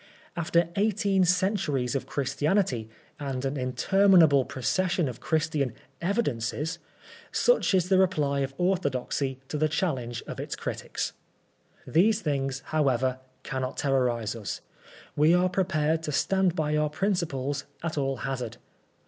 After eighteen centuries of Ghristianity, and an inter minable prooession of Christian * evidenoes/ such is the reply of orthodoxy to the challenge of its critics " These thingS; however, cannot terrorise us. We are prepared to stand by our principles at all hazard.